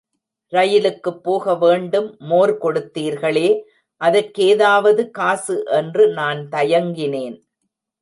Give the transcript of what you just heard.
ரயிலுக்குப் போகவேண்டும், மோர் கொடுத்தீர்களே, அதற்கேதாவது காசு... என்று நான் தயங்கினேன்.